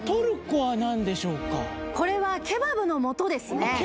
これはケバブの素ですねあっ